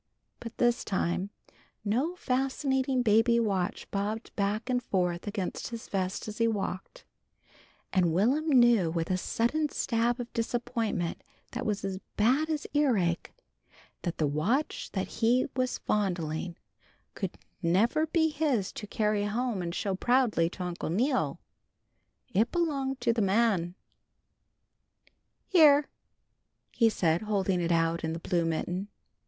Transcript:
But this time no fascinating baby watch bobbed back and forth against his vest as he walked, and Will'm knew with a sudden stab of disappointment that was as bad as earache, that the watch he was fondling could never be his to carry home and show proudly to Uncle Neal. It belonged to the man. "Here!" he said, holding it out in the blue mitten.